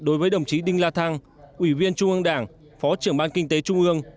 đối với đồng chí đinh la thăng ủy viên trung ương đảng phó trưởng ban kinh tế trung ương